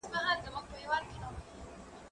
کېدای سي سينه سپين ستونزي ولري